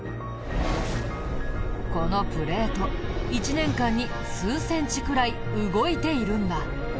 このプレート１年間に数センチくらい動いているんだ。